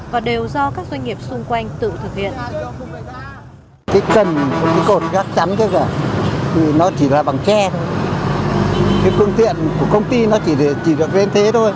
và đều do các doanh nghiệp xung quanh tự thực hiện